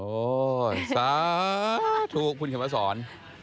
โอ้สาถูกคุณเขมรสร